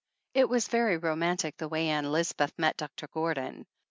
It was very romantic the way Ann Lisbeth met Doctor Gordon.